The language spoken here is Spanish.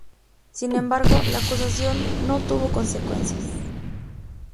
Sin embargo, la acusación no tuvo consecuencias.